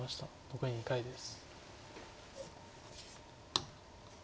残り２回です。